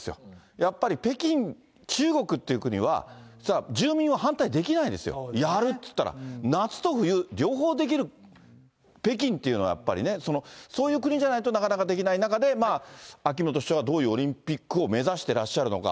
やっぱり北京、中国っていう国は、住民は反対できないですよ、やると言ったら、夏と冬、両方できる北京っていうのはやっぱりね、そういう国じゃないとなかなかできない中で、秋元市長はどういうオリンピックを目指してらっしゃるのか。